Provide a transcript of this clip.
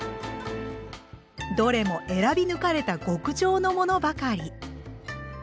どれも選び抜かれた極上のものばかり。